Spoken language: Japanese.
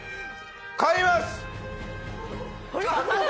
買います！